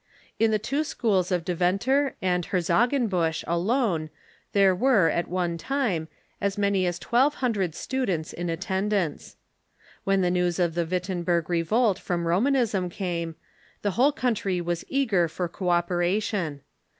In the two schools of Deventer and Herzogenbusch alone there were, at one time, as many as twelve hundred students in attendance. When the news of the Wittenberg revolt from Romanism came, the whole country was eager for co opera IN THE NETHERLANDS 259 tion.